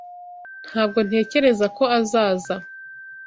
Ntabwo ntekereza ko azaza.